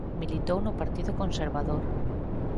Militou no Partido Conservador.